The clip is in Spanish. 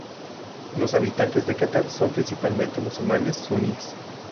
Los habitantes de Catar son principalmente musulmanes sunníes.